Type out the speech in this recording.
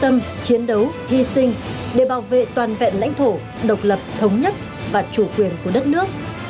tâm chiến đấu hy sinh để bảo vệ toàn vẹn lãnh thổ độc lập thống nhất và chủ quyền của đất nước